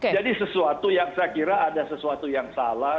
jadi sesuatu yang saya kira ada sesuatu yang salah